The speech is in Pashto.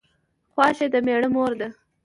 خواښې د مېړه مور